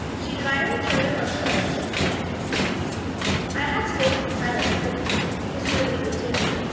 She divided her children among her relatives and went to the States. I had to go to the asylum at Hopeton, because nobody would take me.